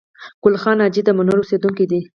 ګل خان حاجي د منورې اوسېدونکی دی